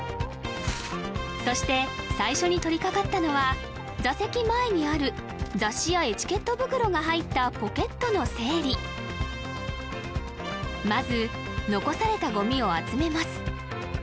そして最初に取りかかったのは座席前にある雑誌やエチケット袋が入ったポケットの整理まず残されたゴミを集めます